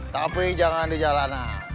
tapi jangan di jalanan